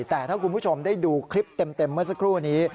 แต่ถ้าคุณผู้ชมได้ดูคลิปเต็มเมื่อสักครู่นี้